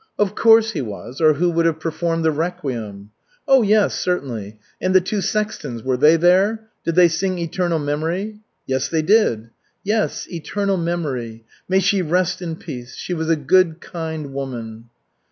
"Of course he was, or who would have performed the requiem?" "Oh, yes, certainly. And the two sextons, were they there? Did they sing: 'Eternal memory?'" "Yes, they did." "Yes, eternal memory! May she rest in peace. She was a good, kind woman."